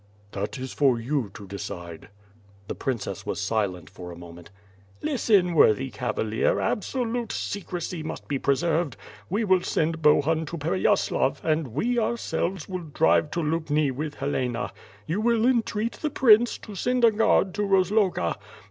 "That is for you to decide." The princess was silent for a moment. "Listen, worthy cavalier, absolute secrecy must be pre 68 W/rff FIRE AND SWORD. served. We will send Bohnn to Pereyaslav and we ourselves will drive to Lubni with Helena. You will entreat the prince to send a guard to Rozloga.